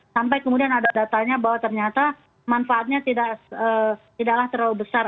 sampai kemudian ada datanya bahwa ternyata manfaatnya tidaklah terlalu besar